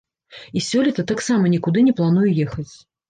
І сёлета таксама нікуды не планую ехаць.